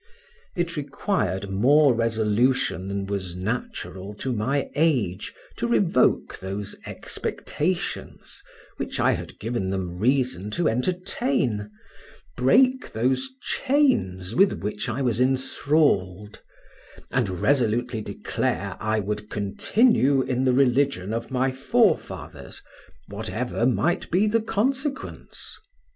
It required more resolution than was natural to my age to revoke those expectations which I had given them reason to entertain, break those chains with which I was enthralled, and resolutely declare I would continue in the religion of my forefathers, whatever might be the consequence.